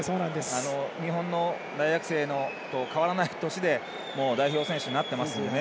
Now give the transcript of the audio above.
日本の大学生と変わらない年で代表選手になってますのでね。